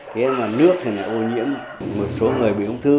thế mà nước thì là ô nhiễm một số người bị ung thư